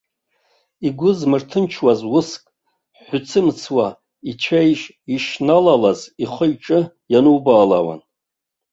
Игәы змырҭынчуаз уск ҳәцымцуа ицәеиижь ишналалаз ихы-иҿы ианубаалауан.